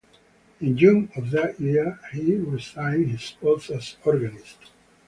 In June of that year, he resigned his post as organist.